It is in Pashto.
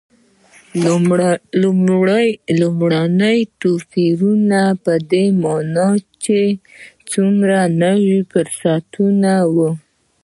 لومړ توپیرونه په دې معنا چې څومره نوي فرصتونه و.